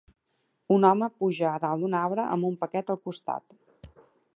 Un home puja a dalt d'un arbre amb un paquet al costat.